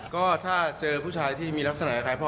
ก็ถ้าเจอผู้ชายที่มีลักษณะคล้ายพ่อ